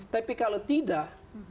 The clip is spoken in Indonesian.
tapi kalau tidak